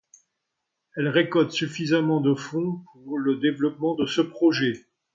Elle récolte suffisamment de fonds pour le développement de ce projet.